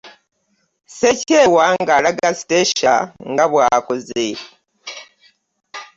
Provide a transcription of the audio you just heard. Ssekyewa ng’alaga Stecia nga bw’akoze.